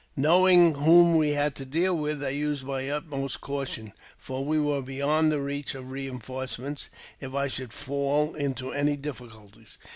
Knowing whom we had to deal with, I used my utmost caution, for we were beyond the reach of re enforcement if I should fall into any difficulties.